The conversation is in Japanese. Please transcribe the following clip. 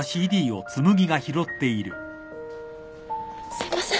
すいません。